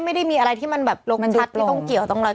ไม่ได้มีอะไรที่มันแบบลงชัดไม่ต้องเกี่ยวต้องอะไร